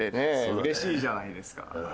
うれしいじゃないですか。